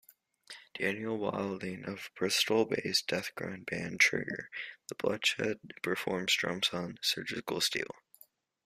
Daniel Wilding of Bristol-based deathgrind band Trigger the Bloodshed performs drums on "Surgical Steel".